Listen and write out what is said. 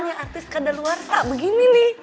gini nih artis kadar luarsa begini nih